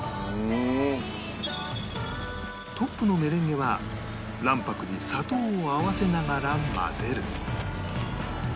トップのメレンゲは卵白に砂糖を合わせながら混ぜる